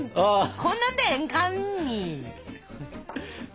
こんなんでええんかんい！